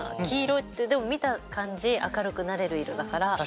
黄色ってでも見た感じ明るくなれる色だから。